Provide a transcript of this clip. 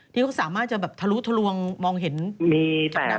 ที่เขาสามารถจะทะลุทะลวงมองเห็นจากหน้าเทียม